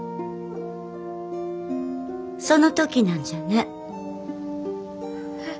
その時なんじゃね。えっ。